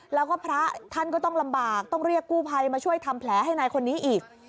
แล้วก็พระท่านก็ต้องลำบากต้องเรียกกู้ภัยมาช่วยทำแผลให้นายคนนี้อีก